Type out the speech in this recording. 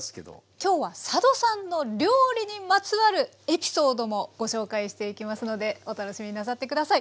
今日は佐渡さんの料理にまつわるエピソードもご紹介していきますのでお楽しみになさって下さい。